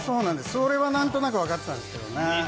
それはなんとなく分かってたんですけどね。